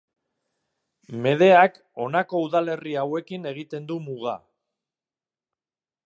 Medeak honako udalerri hauekin egiten du muga.